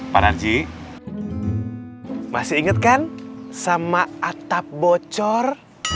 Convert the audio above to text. bang darji masih ingat kan sama atap bocor